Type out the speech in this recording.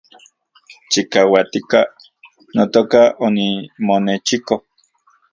Chikauatika, notoka , onimonechiko